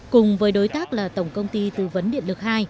cùng với đối tác là tổng công ty tư vấn điện lực hai